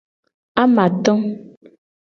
Amato.